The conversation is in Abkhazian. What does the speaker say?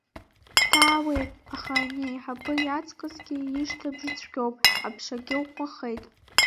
Даауеит, аха ани аиҳабы иаҵкысгьы ишьҭыбжь цәгьоуп, аԥшагьы ӷәӷәахеит.